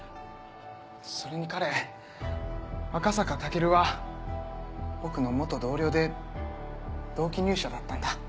それに彼赤坂武尊は僕の同僚で同期入社だったんだ。